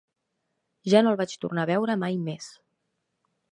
Ja no el vaig tornar a veure mai més.